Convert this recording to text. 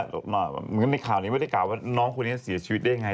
เหมือนในข่าวนี้ไม่ได้กล่าวว่าน้องคนนี้เสียชีวิตได้ยังไง